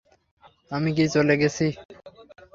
আমি কী চলে গেছি?